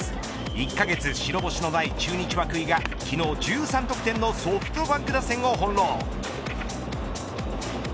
１カ月白星のない中日、涌井が昨日１３得点のソフトバンク打線を翻ろう。